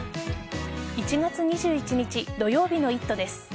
１月２１日土曜日の「イット！」です。